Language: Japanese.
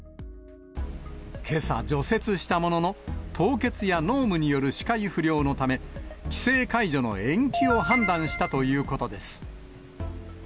けさ、除雪したものの、凍結や濃霧による視界不良のため、規制解除の延期を判断したということです。